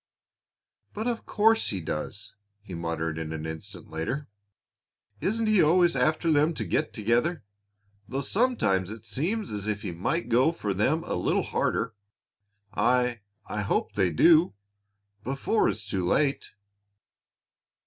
"But of course he does!" he muttered an instant later. "Isn't he always after them to get together, though sometimes it seems as if he might go for them a little harder? I I hope they do before it's too late."